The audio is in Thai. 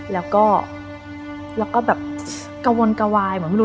แล้วก็กวนกวาย